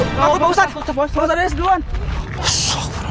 aku takut pak ustadz pak ustadz ada yang seduan